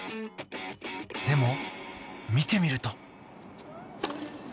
でも、見てみると。